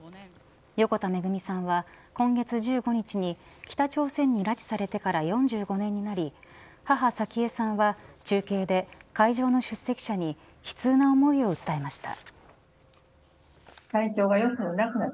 横田めぐみさんは今月１５日に北朝鮮に拉致されてから４５年になり母、早紀江さんは中継で会場の出席者に悲痛な思いを訴えました。